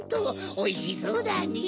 おいしそうだねぇ！